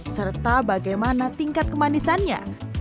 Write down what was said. serta bagaimana tingkat kemanisannya